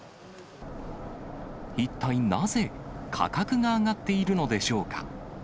一体なぜ価格が上がっているのでしょうか。